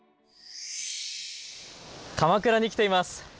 鎌倉に来ています。